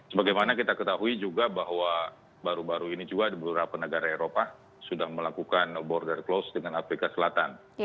sebagaimana kita ketahui juga bahwa baru baru ini juga di beberapa negara eropa sudah melakukan border close dengan afrika selatan